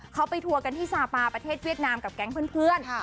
เขาไปทัวร์กันที่ซาปาประเทศเวียดนามกับแก๊งเพื่อน